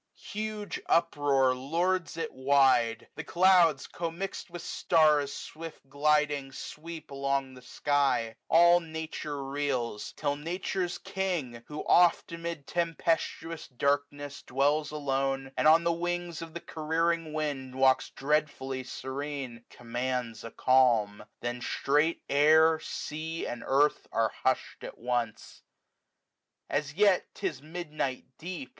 Huge uproar lords it wide. The clouds commix'd With stats ewift gliding sweep along the sky. 196 All Nature reels. Till Nature's Km©, who oft Ainid ten^stuous darkness dwells alone. And on the wings of the careering wind Walks dreadfully serene, commands a calm; 200 Then straight air, sea, and earth, are hush'd at once. As yet 't is midnight deep.